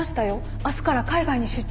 明日から海外に出張なので